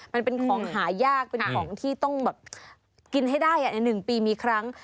มันเป็นของหายากเป็นของที่ต้องแบบกินให้ได้ใน๑ปีมีครั้ง